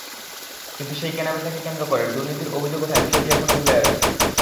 কিন্তু সেই কেনাবেচাকে কেন্দ্র করে দুর্নীতির অভিযোগ ওঠায় বিষয়টি এখনো ঝুলে রয়েছে।